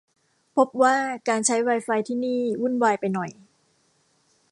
พบว่าการใช้ไวไฟที่นี่วุ่นวายไปหน่อย